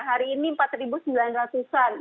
hari ini empat sembilan ratus an